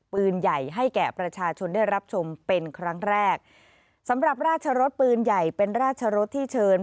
ปืนใหญ่ให้แก่ประชาชนได้รับชมเป็นครั้งแรกสำหรับราชรสปืนใหญ่เป็นราชรสที่เชิญ